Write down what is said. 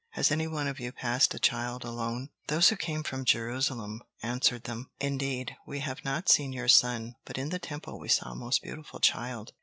Has any one of you passed a child alone?" Those who came from Jerusalem answered them: "Indeed, we have not seen your son, but in the Temple we saw a most beautiful child!